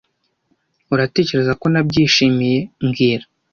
Uratekereza ko nabyishimiye mbwira